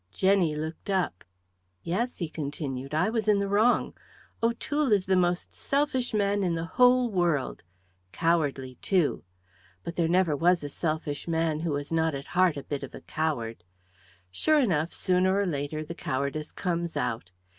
Jenny looked up. "Yes," he continued. "I was in the wrong. O'Toole is the most selfish man in the whole world. Cowardly, too! But there never was a selfish man who was not at heart a bit of a coward. Sure enough, sooner or later the cowardice comes out.